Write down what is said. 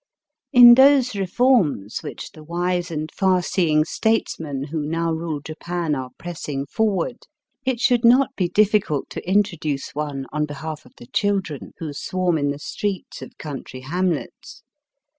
In those reforms which the wise and far seeing statesmen who now rule Japan are pressing forward, it should not be difficult to introduce one on behalf of the children who swarm in the streets of country hamlets.